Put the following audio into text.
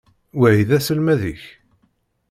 Wahi d aselmad-ik?